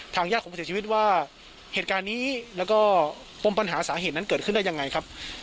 ญาติของผู้เสียชีวิตว่าเหตุการณ์นี้แล้วก็ปมปัญหาสาเหตุนั้นเกิดขึ้นได้ยังไงครับ